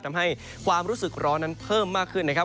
ทำให้ความรู้สึกร้อนนั้นเพิ่มมากขึ้นนะครับ